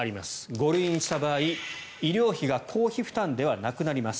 ５類にした場合、医療費が公費負担ではなくなります。